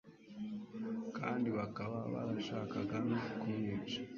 kandi bakaba barashakaga no kumwica.